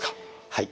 はい。